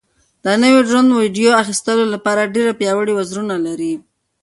دا نوی ډرون د ویډیو اخیستلو لپاره ډېر پیاوړي وزرونه لري.